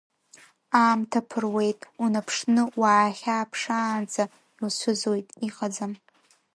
Аамҭа ԥыруеит, унаԥшны уаахьаԥшаанӡа иуцәыӡуеит, иҟаӡам.